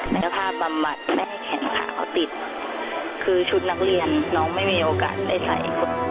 ในสภาพบำบัดและแขนขาเขาติดคือชุดนักเรียนน้องไม่มีโอกาสได้ใส่